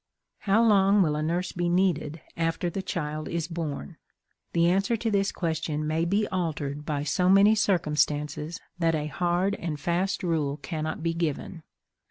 How long will a nurse be needed after the child is born? The answer to this question may be altered by so many circumstances that a hard and fast rule cannot be given.